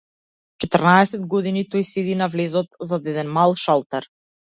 Четрнаесет години тој седи на влезот, зад еден мал шалтер.